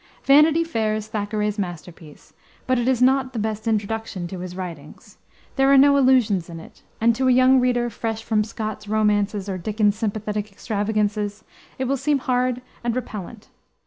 Vanity Fair is Thackeray's masterpiece, but it is not the best introduction to his writings. There are no illusions in it, and, to a young reader fresh from Scott's romances or Dickens's sympathetic extravagances, it will seem hard and repellant.